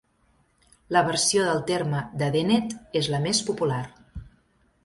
La versió del terme de Dennett és la més popular.